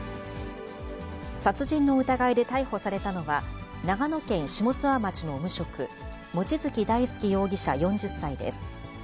殺人の疑いで逮捕されたのは、長野県下諏訪町の無職、望月大輔容疑者４０歳です。